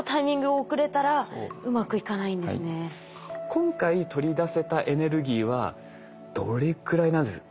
今回取り出せたエネルギーはどれくらいなんでしょうか？